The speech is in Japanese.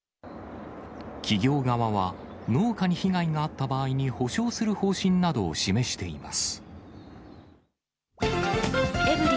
企業側は、農家に被害があった場合に補償する方針などを示しています。